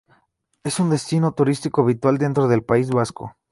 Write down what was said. Es un destino turístico habitual dentro del País Vasco.